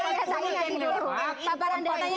oke kita akan teruskan pembahasannya